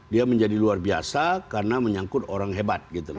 dia menjadi luar biasa karena menyangkut orang hebat